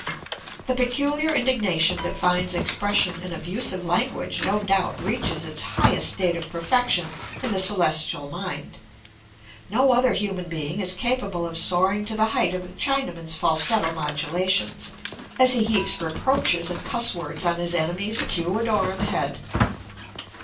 The peculiar indignation that finds expression in abusive language no doubt reaches its highest state of perfection in the Celestial mind. No other human being is capable of soaring to the height of the Chinaman's falsetto modulations, as he heaps reproaches and cuss words on his enemy's queue adorned head.